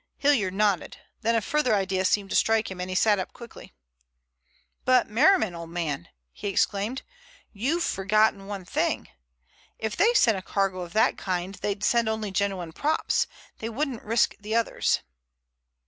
Hilliard nodded. Then a further idea seemed to strike him and he sat up suddenly. "But, Merriman, old man," he exclaimed, "you've forgotten one thing. If they sent a cargo of that kind they'd send only genuine props. They wouldn't risk the others."